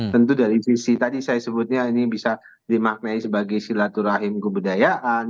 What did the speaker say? tentu dari visi tadi saya sebutnya ini bisa dimaknai sebagai silaturahim kebudayaan